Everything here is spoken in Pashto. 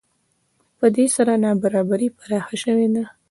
په دې سره نابرابري پراخه شوې ده